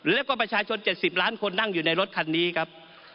แล้วก็ประชาชน๗๐ล้านคนนั่งอยู่ในรถคันนี้ครับ